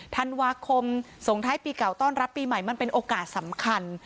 ธันวาคมสงท้ายปีเก่าต้อนรับปีใหม่มันเป็นโอกาสสำคัญ